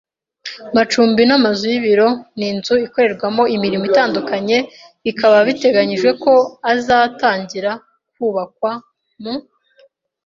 macumbi n amazu y ibiro n inzu ikorerwamo imirimo itandukanye bikaba biteganyijwe ko azatangira kubakwa mu